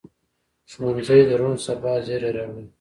ښوونځی د روڼ سبا زېری راوړي